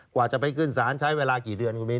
กว่าจะไปขึ้นศาลใช้เวลากี่เดือนคุณมิน